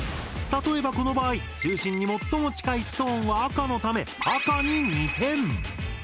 例えばこの場合中心に最も近いストーンは赤のため赤に２点。